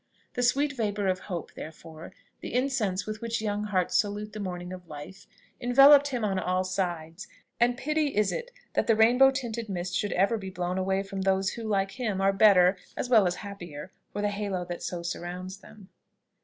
The sweet vapour of hope, therefore, the incense with which young hearts salute the morning of life, enveloped him on all sides: and pity is it that the rainbow tinted mist should ever be blown away from those who, like him, are better, as well as happier, for the halo that so surrounds them.